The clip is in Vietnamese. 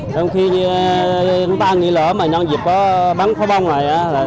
đồng khi chúng ta nghĩ lỡ mà nhân dịp có bắn pháo bông lại